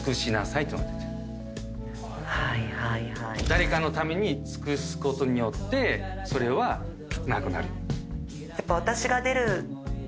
誰かのために尽くすことによってそれはなくなる。